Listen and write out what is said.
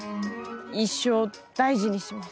一生大事にします。